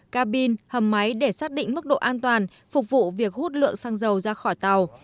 cabin hầm máy để xác định mức độ an toàn phục vụ việc hút lượng xăng dầu ra khỏi tàu